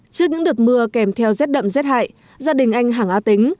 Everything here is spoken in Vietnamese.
trước những đợt mưa kèm theo rét đậm rét hải gia đình anh hàng á tính